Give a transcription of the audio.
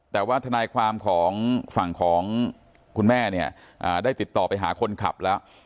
แต่ว่าทนายความของฝั่งของคุณแม่เนี่ยได้ติดต่อไปหาคนขับแล้ว